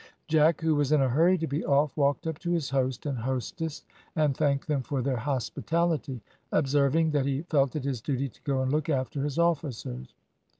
Jack, who was in a hurry to be off, walked up to his host and hostess, and thanked them for their hospitality, observing that he felt it his duty to go and look after his officers.